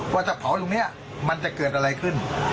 ว่าจะเผาอยู่นี่มันจะเกิดอะไรขึ้น